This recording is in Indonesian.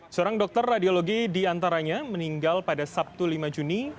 seorang dokter radiologi diantaranya meninggal pada sabtu lima juni